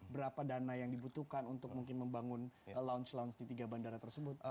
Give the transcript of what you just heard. berapa dana yang dibutuhkan untuk mungkin membangun lounge lounge di tiga bandara tersebut